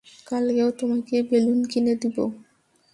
কালকেও তোমাকে বেলুন কিনে দেবো।